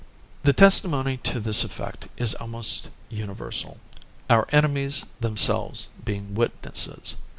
The testimony to this effect is almost universal our enemies themselves being witnesses.